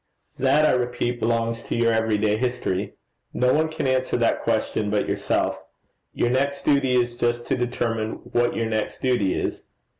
'That, I repeat, belongs to your every day history. No one can answer that question but yourself. Your next duty is just to determine what your next duty is.